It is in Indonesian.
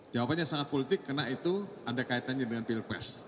jawabannya sangat politik karena itu ada kaitannya dengan pilpres